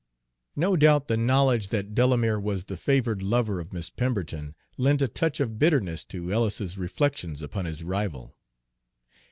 No doubt the knowledge that Delamere was the favored lover of Miss Pemberton lent a touch of bitterness to Ellis's reflections upon his rival.